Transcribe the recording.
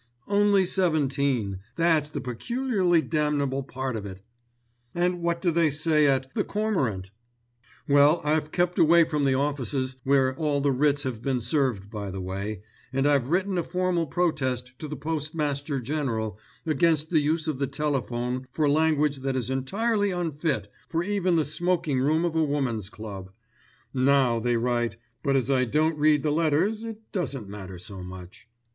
"Only seventeen; that's the peculiarly damnable part of it. "And what do they say at The Cormorant?" "Well, I've kept away from the offices, where all the writs have been served by the way, and I've written a formal protest to the Postmaster General against the use of the telephone for language that is entirely unfit for even the smoking room of a woman's club. Now they write; but as I don't read the letters, it doesn't matter so much."